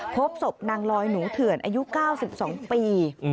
พบศพนางลอยหนูเถื่อนอายุ๙๒ปี